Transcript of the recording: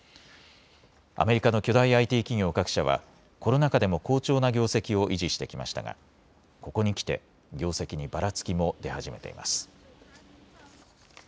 アメリカの巨大ＩＴ企業各社はコロナ禍でも好調な業績を維持してきましたがここにきて業績にばらつきも出始めています。